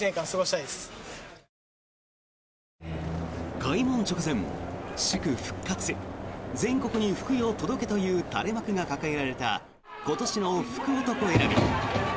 開門直前祝復活、全国に福よ届けという垂れ幕が掲げられた今年の福男選び。